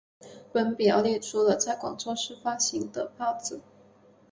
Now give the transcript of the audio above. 本表列出了在广州市发行的报纸。